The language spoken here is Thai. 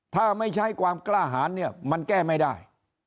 ถ้าไม่ใช้ความกล้าหารเนี่ยมันแก้ไม่ได้